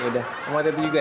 ya udah aku mau tidur juga ya